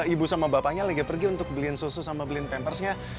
ibu sama bapaknya lagi pergi untuk beliin susu sama blenn pampersnya